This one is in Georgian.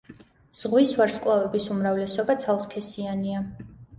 ზღვის ვარსკვლავების უმრავლესობა ცალსქესიანია.